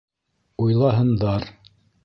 Уйлаһындар!